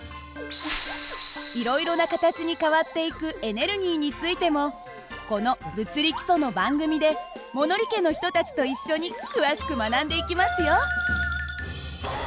いろいろな形に変わっていくエネルギーについてもこの「物理基礎」の番組で物理家の人たちと一緒に詳しく学んでいきますよ。